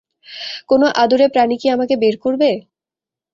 কোনো আদুরে প্রাণী কি আমাকে বের করবে?